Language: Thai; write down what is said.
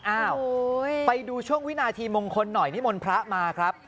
อ้าวไปดูช่วงวินาทีมงคลหน่อยนิมนต์พระมาครับ